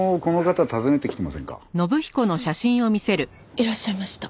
いらっしゃいました。